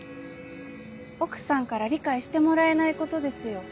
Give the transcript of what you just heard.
奥さんから理解してもらえないことですよ。